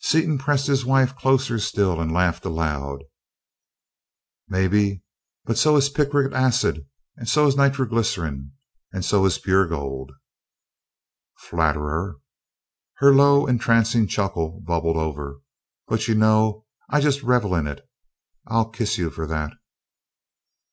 Seaton pressed his wife closer still! and laughed aloud. "Maybe but so is picric acid; so is nitroglycerin; and so is pure gold." "Flatterer!" Her low, entrancing chuckle bubbled over. "But you know I just revel in it. I'll kiss you for that!"